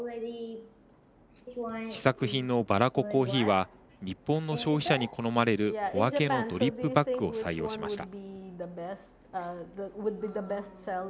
試作品のバラココーヒーは日本の消費者に好まれる小分けのドリップバッグを採用しました。